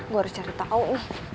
gue harus cari tau nih